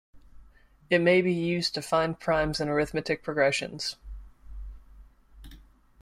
It may be used to find primes in arithmetic progressions.